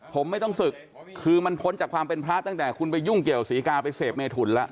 ผมไม่ต้องศึกคือมันพ้นจากความเป็นพระตั้งแต่คุณไปยุ่งเกี่ยวศรีกาไปเสพเมถุนแล้ว